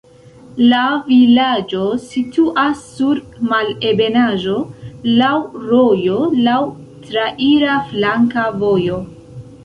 La vilaĝo situas sur malebenaĵo, laŭ rojo, laŭ traira flanka vojo.